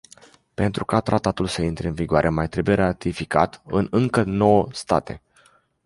Pentru ca tratatul să intre în vigoare mai trebuie ratificat în încă nouă state.